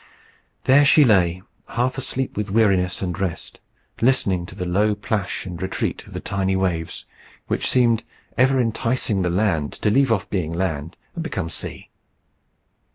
There she lay, half asleep with weariness and rest, listening to the low plash and retreat of the tiny waves, which seemed ever enticing the land to leave off being land, and become sea.